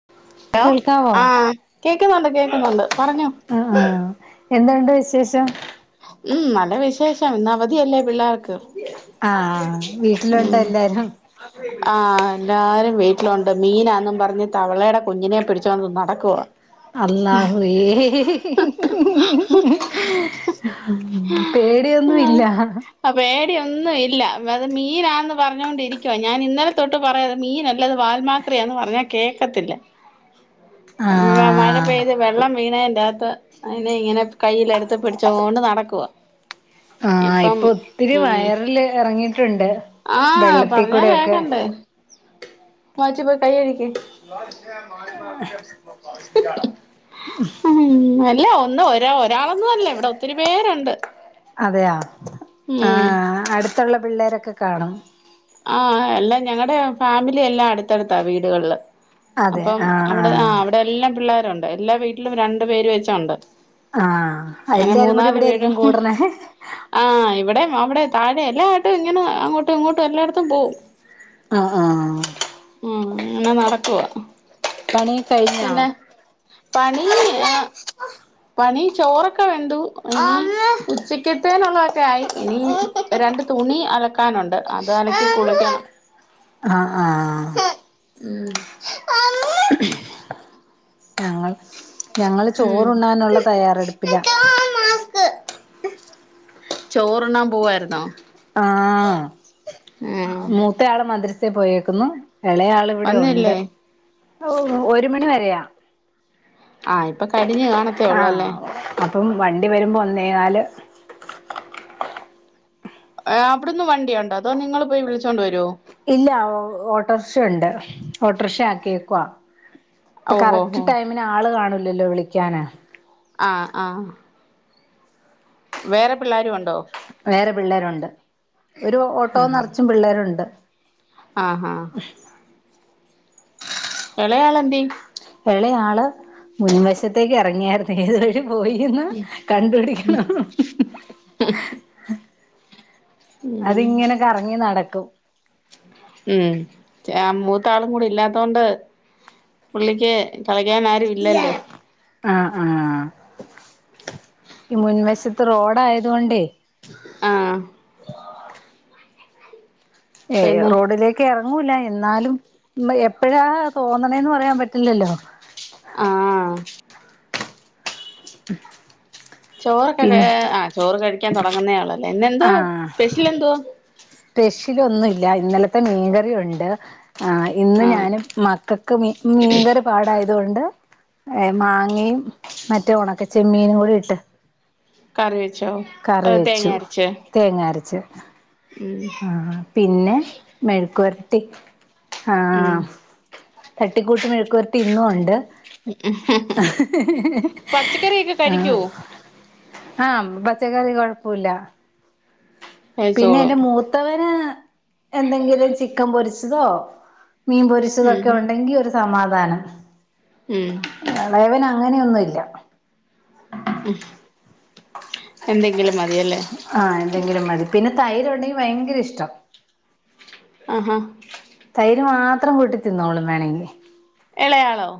[inaudible] Hello കേൾക്കാവോ ആഹ് കേക്കുന്നുണ്ട് കേക്കുന്നുണ്ട് പറഞ്ഞോ ആ ആ എന്തുണ്ട് വി വിശേഷം ഉം നല്ല വിശേഷം ഇന്ന് അവധിയല്ലേ പിള്ളേർക്ക് ആഹ വീട്ടിലുണ്ട് എല്ലാരും ആ എല്ലാരും വീട്ടിലുണ്ട് മീനാന്നെന്നും പറഞ്ഞ് തവളയുടെ കുഞ്ഞിനെ പിടിച്ചു വന്ന് നടക്കുവ അല്ലാഹുവേ പേടിയൊന്നുല്ല ആ പേടിയൊന്നും ഇല്ല അത് മീനാ പറഞ്ഞൊണ്ടിരിക്കുവാ ഞാൻ ഇന്നലെ തൊട്ട് പറയണം മീന അല്ലത് വാൽമാക്രിയാന്ന് പറഞ്ഞാ കേക്കത്തില്ല [inaudible] ആഹ മഴപെയ്തു വെള്ളം മീന അയ്ന്റകത്ത് അതിനെ ഇങ്ങനെ കയ്യില് എടുത്ത് പിടിച്ചോണ്ട് നടക്കുവാ ആഹ ആയി ഇപ്പം ഇപ്പൊ ഒത്തിരി ഉം വയറില് എറങ്ങിട്ടുണ്ട് ആഹ് വെള്ളത്തിക്കൂടെക്കെ [unintelligible] ഉ അല്ല ഒന്ന് ഒരാ ഒരാളൊന്നും അല്ല ഇവിടെ ഒത്തിരി പേരുണ്ട് അതെയ ഉം ആഹ അടുത്തുള്ള പിള്ളേരൊക്കെ കാണും ആ എല്ലാം ഞങ്ങളടെ ഫാമിലി എല്ലാം അടുത്തടുത്താ വീടുകളില് അതെ അപ്പം ആഹ അവിടെ ആ ആഹ അവിടെ എല്ലാം പിള്ളേരുണ്ട് എല്ലാം വീട്ടിലും രണ്ടു പേരെച്ചുണ്ട് ആഹ അങ്ങനെ എല്ലാരും കൂടി മൂന്നാല് ഇവിടെ വീട് ആയിരിക്കും കൂടണേ ആഹ ഇവിടെ അവിടെ താഴെ എല്ലായിട്ടും ഇങ്ങനെ അങ്ങോട്ടും ഇങ്ങോട്ടും എല്ലായിടത്തും പോവും ആ ആ ഉം അങ്ങനെ നടക്കുവാ പണിയൊക്കെ കഴിഞ്ഞ പിന്നെ പണി ആ പണി ചോറൊക്കെ വെന്തു ഉച്ചക്കത്തേനുള്ളതൊക്കായി ഇനി രണ്ട് തുണി അലക്കാനുണ്ട് അത് അനക്ക് കുളിക്കണം ആ ആ ഉം ഞങ്ങൾ ഞങ്ങള് ഉം ചോറുണ്ണാനുള്ള തയ്യാറെടുപ്പിലാ ചോറുണ്ണാൻ പോവായിരുന്നോ ആ ആഹ് മൂത്തയാള് മദ്രസേ പോയേക്കുന്നു എളേയാള് ഇവിടെ ഒണ്ട് വന്നില്ലേ ഒരു മണി വരെയ ആ ഇപ്പൊ കഴിഞ്ഞു കാണത്തേ ഒള്ളല്ലേ പ്പം വണ്ടി വെരുമ്പോ ഒന്നേകാല് ആ അവിടന്ന് വണ്ടിയൊണ്ടോ അതോ നിങ്ങൾ പോയി വിളിച്ചോണ്ട് വരോ ഇല്ല ഓട്ടോറിക്ഷ ണ്ട് ഓട്ടോറിക്ഷ ആക്കിയേക്കുവാ ഇപ്പൊ ഓഹോ ഹോ കറക്റ്റ് ടൈമിന് ആള് കാണില്ലല്ലോ വിളിക്കാന് ആഹ ആഹ വേറെ പിള്ളേരും ഉണ്ടോ വേറെ പിള്ളേരുണ്ട് ഒരു ഓട്ടോ നിറച്ചും പിള്ളേരുണ്ട് ആഹ ആ ഇളയാള് എന്തിയെ എളയാള് മുൻവശത്തേക്ക് ഇറങ്ങിയരുന്ന ഏഴു പോയിന്ന് കണ്ടുപിടിക്കണം അതിങ്ങനെക്കെറങ്ങി നടക്കും ഉം മൂത്ത ആളും കൂടി ഇല്ലാത്ത കൊണ്ട് പുള്ളിക്ക് കള ക്കാൻ ആരും ഇല്ലല്ലോ ആഹ് ആഹ് ഈ മുൻവശത്ത് റോഡായത് കൊണ്ടേ ആഹ് ഏയ് പിന്നെ റോഡിലേക്ക് ഇറങ്ങൂല എന്നാലും എപ്പഴാ തോന്നണേന്ന് പറയാൻ പറ്റില്ലല്ലോ ആഹ് ചോറൊക്കെ പിന്നെ ആഹ് ചോറ് കഴിക്കാൻ തുടങ്ങുന്ന ആളല്ലേ ഇന്നെന്തോ സ്പെഷ്യൽ എന്തോ സ്പെഷ്യല് ഒന്നും ഇല്ല ഇന്നലത്തെ മീൻകറിയ ഉണ്ട് ആ ഇന്ന് ആഹ് ഞൻ മക്കൾക്ക് മീങ്കര് പാടായ അതുകൊണ്ട് മാങ്ങയും മറ്റേ ഒണക്കെ ചെമ്മീനും കൂടി ഇട്ട് കറി വെച്ചോ കറി അ തേങ്ങ വെച്ചു അരച്ച ആഹ പിന്നെ മെഴക്കുരത്തി ഉം ആഹ് തട്ടിക്കൂട്ട് മിഴക്കൂരട്ടി ഇന്നും ഉണ്ട് പച്ചക്കറിയൊക്കെ ആഹ് കഴിക്കുവോ ആഹ് പച്ചക്കറി കൊഴപ്പല്ല പിന്നെ കഴിച്ചോളും എന്റെ മൂത്തവന് എന്തെങ്കിലും ചിക്കൻ പൊരിച്ച് തോ മീൻ ഉം പൊരിച്ചതൊക്കെ ഉം ഉണ്ടെങ്കി ഒരു സമാധാനം ഉം അങ്ങനെയൊന്നുമല്ല ഉം എന്തെങ്കിലും മതിയല്ലേ ആഹ് എന്തെങ്കിലും മതി പിന്നെ തൈര് ഉണ്ടെങ്കിൽ ഭയങ്കര ഇഷ്ടം ആഹാ തൈര് മാത്രം കൂട്ടി തിന്നോളും വേണമെങ്കിൽ ഇളയാളോ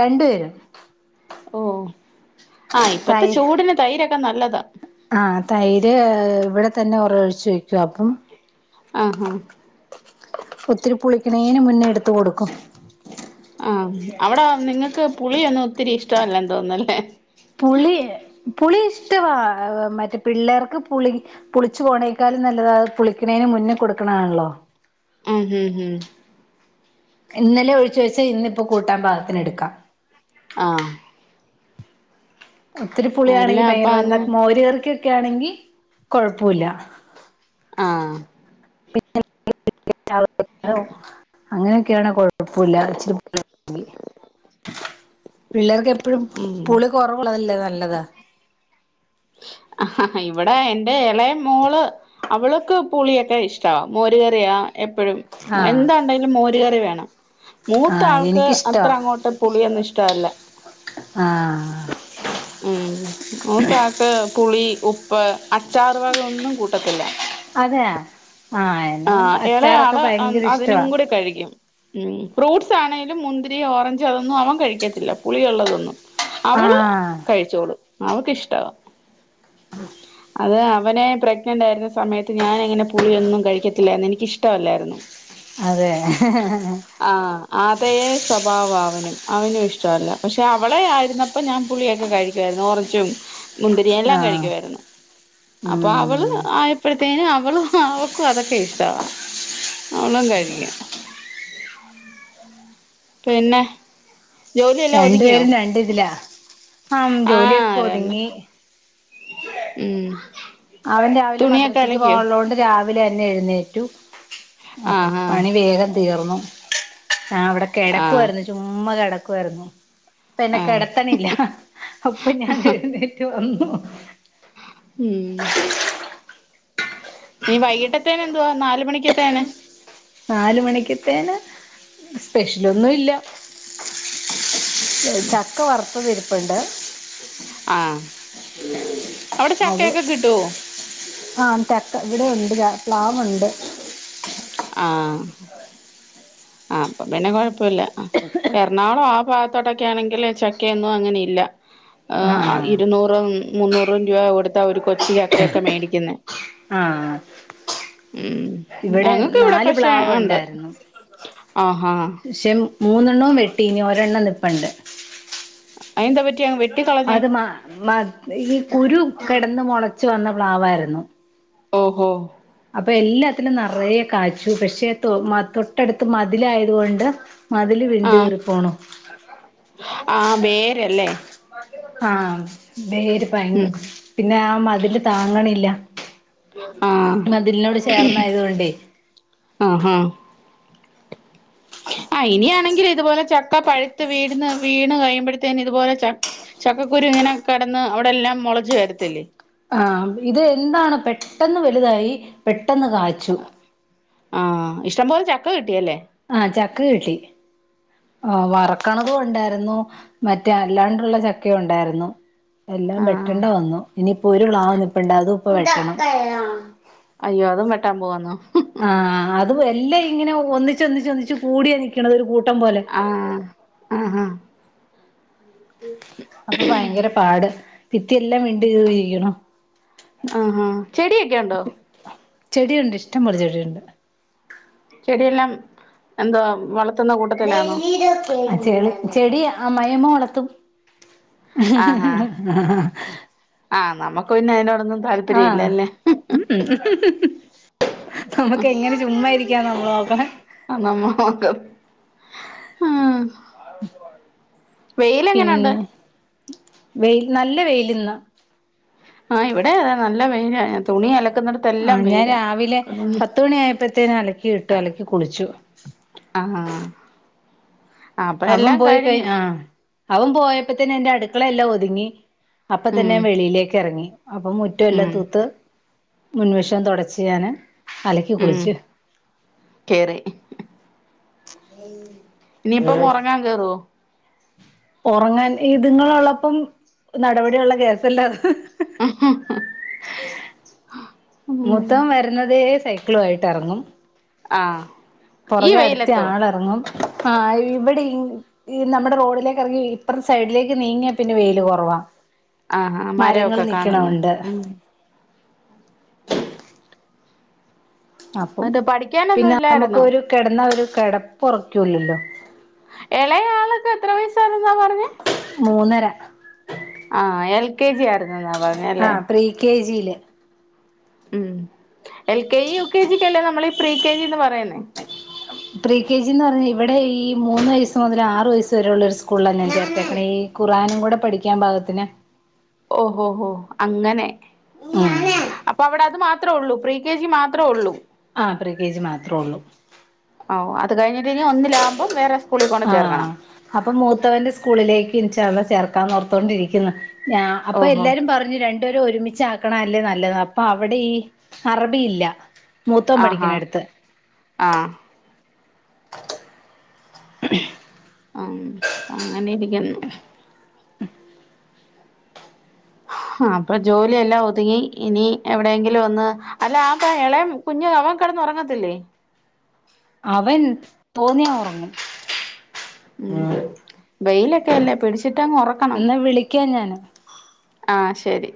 രണ്ടു പേരും ഓ ആ ഇപ്പത്തെ തൈര് ചൂടിന് തൈരൊക്കെ നല്ലതാ ആഹ് തൈര് ഇവിടെ തന്നെ ഉറ ഒഴിച്ചു വയ്ക്കും ആ ഹാ ഒത്തിരി പുളിക്കണേന് മുന്നേ എടുത്ത് കൊടുക്കും ആ അവിടെ നിങ്ങക്ക് പുളിയൊന്നും ഒത്തിരി ഇഷ്ടല്ല തോന്നല്ലേ പുളി പുളി ഇഷ്ടവാ മറ്റേ പിള്ളേർക്ക് പുളി പുളിച്ചു പോണേക്കാ നല്ലതത് പുളിക്കണേന് മുന്നേ കൊടുക്കണാണല്ലോ ഉം ഉം ഇന്നലെ ഒഴിച്ചു വഴച്ച് ഇന്നിപ്പോ കൂട്ടാൻ പാകത്തിന് എടുക്കാം ആ ഒത്തിരി പുളിയാണെങ്കിൽ അപ്പൊ ഭയങ്കരന്താ അങ്ങ് മോര്കർക്ക് ക്ക ആണെങ്കിൽ കുഴപ്പമല്ല ആ [unintelligible] അങ്ങനെ [unintelligible] എപ്പഴും ഉം പുളി കുറവുള്ളതല്ലേ നല്ലത് [inaudible] ആ ഇവിടെ എന്റെ ഇളയ മോള് അവള്ക്ക് പുളിയൊക്കെ ഇഷ്ടവാ മോരുകറിയാ എപ്പോ ഴും ആഹ് എന്താണ്ടെിലും മോര കറി വേണം മൂത്ത ആഹ് ആൾക്ക് അത്ര എനിക്കിഷ്ടവാ അങ്ങോട്ട് പുളിയന്നഷ [unintelligible] ആഹ് ഉം ത്ത ആ പുളി ഉപ്പ് അച്ചാറു വക ഒന്നും കൂട്ടത്തില്ല അതെ ആ ഇളയാള് അതിനും ഇഷ്ടവാ കൂടി കഴിക്കും ഉം ഫ്രൂട്ട്സ് ആണെങ്കിലും മുന്തിരി ഓറഞ്ച് അതൊന്നും അവൻ കഴിക്കത്തില്ല പുളിയുള്ളതൊന്നും അവള് ആഹ് കഴിച്ചോളും അവക്ക് ഇഷ്ടവാ അത് അവനെ പ്രഗ്നന്റ് ആയിരുന്ന സമയത്ത് ഞാനങ്ങനെ പുളിയൊന്നും കഴിക്ക കഴിക്കത്തില്ലായിന്ന് എനിക്ക് ഇഷ്ടമല്ലായിരുന്നു അതെയാ അതേ സ്വഭാവം അവനും അവനും ഇഷ്ടമല്ല പക്ഷെ അവളെ ആരുന്നപ്പോ ഞാൻ പുളിയൊക്കെ കഴിക്കുവ ഓറഞ്ചും മുന്തിരി എല്ലാം ആഹ് കഴിക്കുമായിരുന്നു അപ്പൊ അവള് ഉം ആയപ്പോഴത്തേും അവള്ക്കും അതൊക്കെ ഇഷ്ടമാ അവളും കഴിക്കും പിന്നെ ജോലിയെല്ലാം രണ്ടു ഒതുങ്ങിയോ പേരും രണ്ടിതില ആ ജോലിയൊക്കെ ഒതുങ്ങി ഉം അവൻ രാവിലെ തുണിയൊക്കെ മദ്രസക്ക് അലക്കിയോ പോകാനുള്ളത് കൊണ്ട് രാവിലെ തന്നെ എഴുന്നേറ്റു അപ്പൊ ആഹ് ആഹ് പണി വേഗം തീർന്നു ആ അവിടെ ആഹ് കിടക്കുയിരുന്നു ചുമ്മ കിടക്കുവായിരുന്നു അപ്പ എന്നെ ആഹ് കിടത്തണില്ല അപ്പൊ ഞാൻ എഴുന്നേറ്റ് വന്നു ഉം ഇനി വൈകിട്ടത്തെനു എന്തുവാ നാല് മണിക്കത്തേന് നാല മണിക്കതേനു സ്പെഷ്യലൊന്നുമില്ല ചക്ക വറുത്തതിരിപ്പുണ്ട് ആ അതെ ആ ത ഇവിടെണ്ട് പ്ലാവുണ്ട് ആ ആ അപ്പൊ പിന്നെ കൊഴപ്പമില്ല എറണാകുളം ആ ഭാഗത്തോട്ടൊക്കെ ആണെങ്കിൽ ചക്കയൊന്നും അങ്ങനെയില്ല ആഹ് ഇരുന്നൂറോ മുന്നൂറ രൂപ കൊടുത്ത ഒരു കൊച്ചു ചക്കയൊക്കെ മേടിക്കുന്ന ആ ഉം ഞങ്ങ നാല് പ്ലാവ് ഉണ്ടായിരുന്നു ആഹാ ക്ഷേ മൂന്നെണ്ണവും വെട്ടി ഇനി ഒരെണ്ണം നിൽപ്പുണ്ട് അയന്ത പറ്റി അ വെ അത് മ മ ഈ കുരു കിടന്ന് മുളച്ചു വന്ന പ്ലാവായിരുന്നു ഓഹോ അപ്പൊ എല്ലാത്തിലനും നിറയെ കായ്ച്ചു പക്ഷെ തൊട്ടടുത്ത് മതിലായത് കൊണ്ട് മതില് വിണ്ടു ആഹ് കീറി പോണു ആഹ് വേരല്ലേ ആഹ വേര് ഭയങ്കര പിന്നെ ആ മതില് താങ്ങണില്ല ആഹ മതിലിനോട് ചേർന്നായതുകൊണ്ടേ ആഹഹ ആ ഇനായാണെങ്കിൽ ഇതുപോലെ ചക്ക പഴുത്ത് വീടിന്ന് വീണ് കഴിയുമ്പോഴത്തേന് ഇതുപോലെ ച ചക്കുരു ഇങ്ങനെ കടന്ന് അവിടെ എല്ലാം മുളച്ച്ു വരത്തില്ലേ ആഹ ഇത് എന്താണ് പെട്ടെന്ന് വലുതായി പെട്ടെന്ന് പെട്ടെന്ന് കാച്ചു ആഹ് ഇഷ്ടംപോലെ ചക്ക കിട്ടിയല്ലേ ആഹ ചക്ക കിട്ടി ആ വറക്കണത് ഉണ്ടായിരുന്നു മറ്റേ അല്ലാണ്ടുള്ള ചക്കയും ഉണ്ടായിരുന്നു എല്ലാം ആഹ് വെട്ടേണ്ട വന്നു ഇനി ഒരു പ്ലാ നിപ്പുണ്ട് അതും ഇപ്പ വെട്ടണം അയ്യോ അതും വെട്ടാൻ പോവാന്നോ? ആഹ അത് എല്ലാം ഇങ്ങനെ ഒന്നിച്ച് ഒന്നിച്ച് ഒന്നിച്ച് കൂടിയ നിക്കണത് ഒരു കൂട്ട- ആഹ ആ ആ അപ്പൊ ഭയങ്കര പാട് ഭിത്തിയെല്ലാം വിണ്ട് കീറിയീക്ക്ണ് ആഹ ഹ ചെടിയൊക്കെ ഉണ്ടോ? ചെടിയുണ്ട് ഇഷ്ടംപോലെ ചെടിയുണ്ട്. ചെടിയെല്ലാം ന്തുവാ വളർ ചെ ചെടി അമ്മായിമ്മ വളർത്തും ഹ് ആഹാ ഹ് ഹ് ഹ ഹ ഹ ആഹ് നമുക്ക് പിന്നെ അതിന് ആ ഹ് ഹ് ഹ ഹ നമുക്ക് എങ്ങനെ ചുമ്മാരിക്ക [unintelligible] ആ നമ്മോക്ക ആഹ വെയില് എങ്ങനെണ്ട് വെയില് നല്ല വെയില് ന്ന് ആഹ ഇവിടെ അതെ നല്ല വെയില ആ തുണി അലക ആ ഞാൻ രാവിലെ പത്തുമണി ആയപ്പോത്തേനും അലക്കി ഇട്ടു അലക്കി കുളിച്ചു. ആഹാ അവന് പോയി കഴിഞ്ഞ ആഹ അവൻ പോയപ്പോ തന്നെ എന്റെ അടുക്കള എല്ലാം ഒതുങ്ങി അപ്പ ഉം തന്നെ വെളിയിലേക്ക് ഇറങ്ങി. അപ്പൊ മുറ്റം എല്ലാം ഉം തൂത്ത് മുൻവഷം തുടച്ച് ഞാന് അലക്കി ഉം കുളിച്ചു കേറി [unintelligible] ഇനിയിപ്പ മുറങ്ങാൻ കേറോ ഉറങ്ങാൻ ഇതുങ്ങള ഉള്ളപ്പം നടപടി ഉള്ള കേസല്ല മൊത്തം വരുന്നതെ സൈക്കിളു ആയിട്ട് ഇറങ്ങും ആഹ് ഈ പുറകെ അടുത്തെ വെയിലത്തോ ആൾ ഇറങ്ങും ആഹ ഇവിടെ നമ്മുടെ റോഡിലേക്ക് ഇറങ്ങി ഇപ്പറത്തെ സൈഡിലേക്ക് നീങ്ങിയാ പിന്നെ വെയില് കുറവാ. ആഹ് ആഹ് മരങ്ങള് മരവൊക്കെ കാണുന്നു നില്ക്കണണ്ട് ഉം അപ്പം എന്നിട്ട് പഠിക്കാനൊന്നും പിന്നെ നമുക്ക് ഇല്ലായിരുന്നോ ഒരു കിടന്ന ഒരു കിടപ്പ് ഉറക്കുല്ലല്ലോ? ഇളയ ആൾക്ക് എത്ര വയസ്സായിെന്നാ പറഞ്ഞേ? മൂന്നര ആഹ് എൽ കെ ജി ആയിരുന്നെന്നാ പറഞ്ഞല്ലേ ജീല് ഉം L K G U K ജിക്കല്ലേ നമ്മളീ പ്രി കെ ജിന്ന് പറയുന്നേ പ്രീ കെ ജിന്ന് പറഞ്ഞ ഇവിടെ ഈ മൂന്ന് വയസ് മുതൽ ആറ് വയസ്സ് വരെയുള്ള ഒരു സ്കൂളിലാണ് ഞാൻ ചേർത്തക്കണ ഈ ഖുർആാനും കൂടെ പഠിക്കാൻ പാകത്തിന് ഓഹോ ഹോ അങ്ങനെ അപ്പൊ അവിടെ അത് മാ മാത്രേ ഉള്ളൂ പ്രീ കെ ജി മാത്രേ ഉള്ളൂ ആ പ്രി കെ ജി മാത്രേള്ളൂ ഒ ആ അത് കഴിഞ്ഞ് ആ അപ്പൊ മൂത്തവന്റെ സ്കൂളിലേക്ക് ഒരുമിച്ചു ചേർക്കാ ഓർത്തോണ്ടിരിക്കുന്നു ഞ അപ്പൊ ഓഹോ എല്ലാരും പറഞ്ഞു രണ്ട് എ ഒരുമിച്ചാക്കണല്ലേ നല്ലത് അപ്പൊ അവിടെ ഈ അറബിയില്ല മൂത്തോ ന് ആഹാ പഠിക്കണ എടുത്ത് ആഹ് [unintelligible] ആ അങ്ങനെ ഇരിക്കുന്നു ആ അപ്പൊ ജോലി എല്ലാം ഒതുങ്ങി ഇനി എവിടെയെങ്കിലും ഒന്ന് അല്ല ആപ്പൊ ഇളയം കുഞ്ഞഞ് അവൻ കിട ഉറങ്ങത്തില്ലേ അവൻ തോന്നിയാൻ ഉറങ്ങും ബെയിലൊക്കെ അല്ലേ പിടിച്ചിട്ടങ്ങ് ഉറക്കണം എന്നാ വിളിക്കാം ഞാന് ആ ശരി